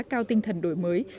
cao tinh thần đổi mới